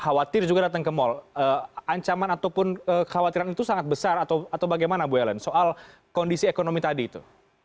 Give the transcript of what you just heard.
khawatir juga datang ke mall ancaman ataupun kekhawatiran itu sangat besar atau bagaimana bu ellen soal kondisi ekonomi tadi itu